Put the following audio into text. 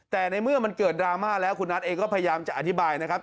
แต่ในเมื่อมันเกิดดราม่าแล้วคุณนัทเองก็พยายามจะอธิบายนะครับ